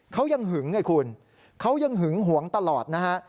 เขายังหึงไงคุณเขายังหึงหวงตลอดนะฮะ